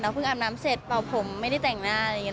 เพิ่งอาบน้ำเสร็จเป่าผมไม่ได้แต่งหน้าอะไรอย่างนี้